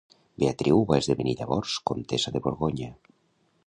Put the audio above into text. Beatriu va esdevenir llavors comtessa de Borgonya.